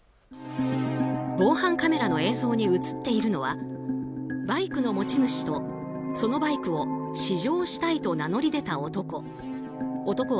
防犯カメラの映像に映っているのはバイクの持ち主とそのバイクを試乗したいと名乗り出た男。